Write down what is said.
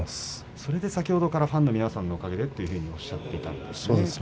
それで先ほどからファンの皆さんのおかげでというふうにおっしゃっていたんですね